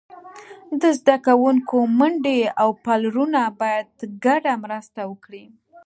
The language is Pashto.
د زده کوونکو میندې او پلرونه باید ګډه مرسته وکړي.